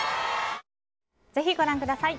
ぜひ、ご覧ください。